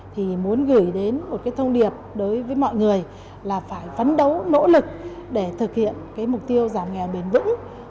thì muốn gửi đến một cái thông điệp đối với mọi người là phải phấn đấu nỗ lực để thực hiện cái mục tiêu giảm nghèo bền vững